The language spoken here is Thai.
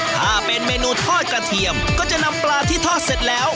ถ้าเป็นเมนูทอดกระเทียมก็จะนำปลาที่ทอดเสร็จแล้ว